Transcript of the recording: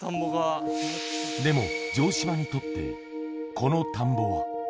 でも、城島にとって、この田んぼは。